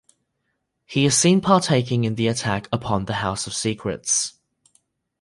He is seen partaking in the attack upon the House of Secrets.